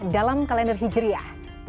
dalam kalender hijriah